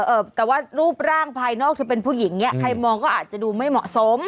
เออแต่ว่ารูปร่างภายนอกเธอเป็นผู้หญิงเนี้ยใครมองก็อาจจะดูไม่เหมาะสม